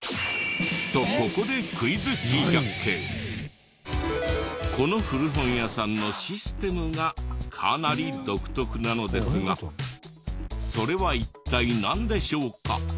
とここでこの古本屋さんのシステムがかなり独特なのですがそれは一体なんでしょうか？